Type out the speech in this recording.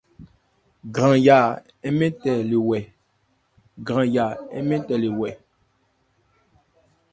Gwranya nmɛthé le wɛ́.